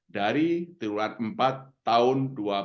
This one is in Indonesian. dari triwulan empat tahun dua ribu dua puluh